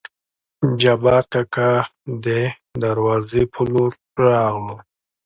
جبارکاکا دې دروازې په لور راغلو.